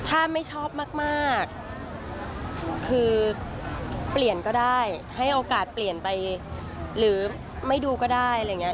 ถ้าไม่ชอบมากคือเปลี่ยนก็ได้ให้โอกาสเปลี่ยนไปหรือไม่ดูก็ได้อะไรอย่างนี้